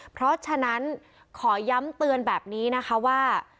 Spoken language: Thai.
เพราะฉะนั้นขอย้ำเตือนแบบนี้นะคะว่า